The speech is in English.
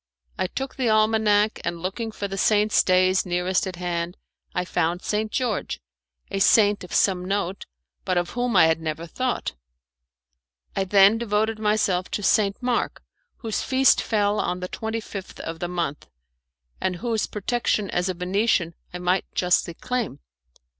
I took the almanac and looking for the saints' days nearest at hand I found St. George a saint of some note, but of whom I had never thought. I then devoted myself to St. Mark, whose feast fell on the twenty fifth of the month, and whose protection as a Venetian I might justly claim.